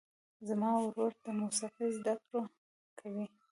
زما ورور د موسیقۍ زده کړه کوي.